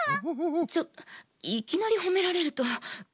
ちょいきなりほめられるとこまる。